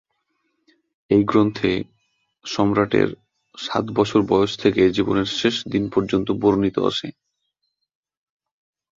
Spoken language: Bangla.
এই গ্রন্থে সম্রাটের সাত বছর বয়স থেকে জীবনের শেষ দিন পর্যন্ত বর্ণিত আছে।